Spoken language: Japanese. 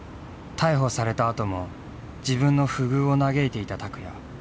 逮捕されたあとも自分の不遇を嘆いていた拓也。